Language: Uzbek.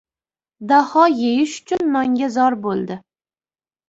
Daho yeyish uchun nonga zor bo‘ldi.